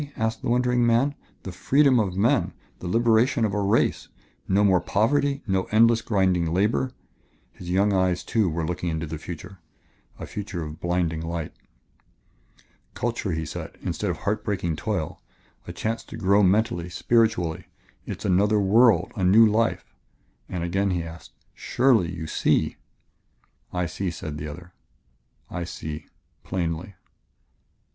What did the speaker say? asked the wondering man. "The freedom of men the liberation of a race. No more poverty, no endless, grinding labor." His young eyes, too, were looking into the future, a future of blinding light. "Culture," he said, "instead of heart breaking toil, a chance to grow mentally, spiritually; it is another world, a new life " And again he asked: "Surely, you see?" "I see," said the other; "I see plainly."